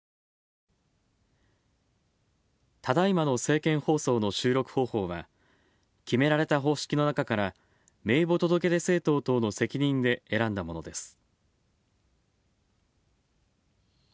ただいまの政見放送の収録方法は、決められた方式の中から名簿届出政党等の責任で選んだものです。